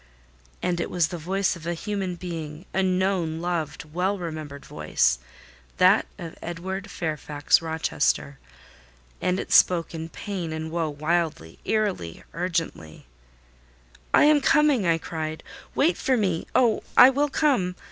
And it was the voice of a human being—a known, loved, well remembered voice—that of Edward Fairfax Rochester; and it spoke in pain and woe, wildly, eerily, urgently. "I am coming!" I cried. "Wait for me! Oh, I will come!"